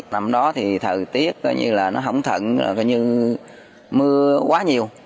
hai nghìn một mươi sáu hai nghìn một mươi bảy năm đó thì thời tiết coi như là nó hổng thận coi như mưa quá nhiều